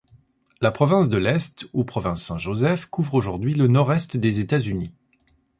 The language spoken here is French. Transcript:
La province de l'Est, ou province Saint Joseph, couvre aujourd'hui le nord-est des États-Unis.